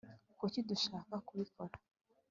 kuki dushaka kubikora